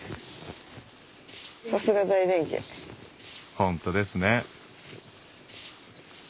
本当ですね。